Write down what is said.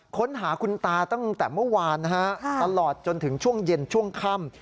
ค้นหาคุณตาตั้งแต่เมื่อวานนะฮะตลอดจนถึงช่วงเย็นช่วงค่ำ